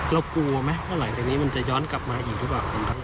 กลัวไหมว่าหลังจากนี้มันจะย้อนกลับมาอีกหรือเปล่า